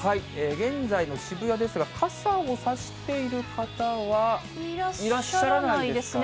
現在の渋谷ですが、傘を差している方はいらっしゃらないですかね。